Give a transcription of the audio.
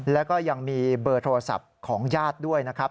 แล้วก็ยังมีเบอร์โทรศัพท์ของญาติด้วยนะครับ